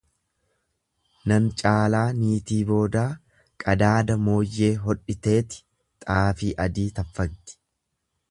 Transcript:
Nan caalaa niitii boodaa qadaada mooyyee hodhiteeti xaafii adii taffagdi.